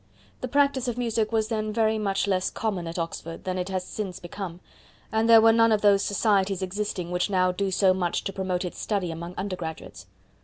The practice of music was then very much less common at Oxford than it has since become, and there were none of those societies existing which now do so much to promote its study among undergraduates.